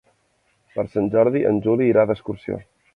Per Sant Jordi en Juli irà d'excursió.